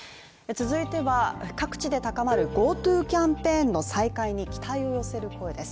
続いては各地で高まるＧｏＴｏキャンペーンの再開に期待を寄せる声です